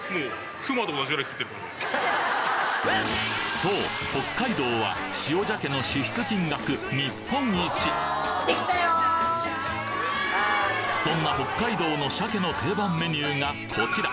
そう北海道はそんな北海道の鮭の定番メニューがこちら！